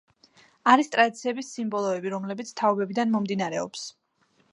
არის ტრადიციების სიმბოლოები, რომლებიც თაობებიდან მომდინარეობს.